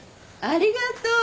ありがとう。